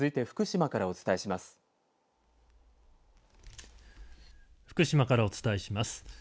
福島からお伝えします。